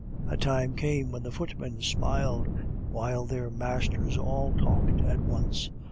A time came when the footmen smiled, while their masters all talked at once.